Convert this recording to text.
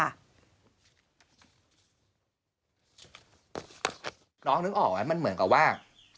น้องนึกออกไหมมันเหมือนกับว่า